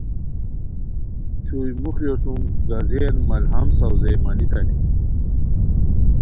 چھوئی موخیو سُم گازین ملہم ساؤزئے مانیتانی